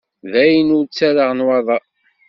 Dayen, ur ttarraɣ nnwaḍer.